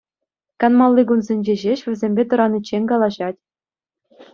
Канмалли кунсенче ҫеҫ вӗсемпе тӑраниччен калаҫать.